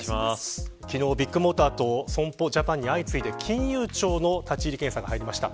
昨日、ビッグモーターと損保ジャパンに相次いで金融庁の立ち入り検査が入りました。